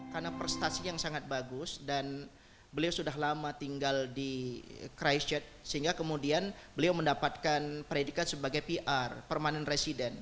karena prestasi yang sangat bagus dan beliau sudah lama tinggal di christchurch sehingga kemudian beliau mendapatkan peredikan sebagai pr permanent resident